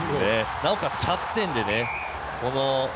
なおかつキャプテンで。